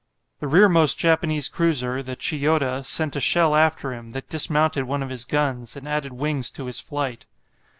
The rearmost Japanese cruiser, the "Chiyoda," sent a shell after him, that dismounted one of his guns, and added wings to his flight.